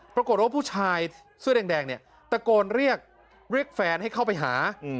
ปรากฏว่าผู้ชายเสื้อแดงเนี่ยตะโกนเรียกเรียกแฟนให้เข้าไปหา